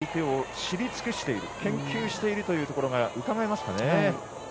やはり、両チームが相手を知り尽くしている研究しているというところがうかがえますかね。